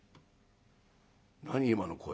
「何今の声。